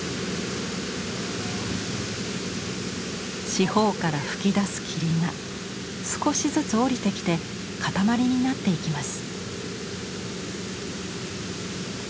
四方から噴き出す霧が少しずつ降りてきてかたまりになっていきます。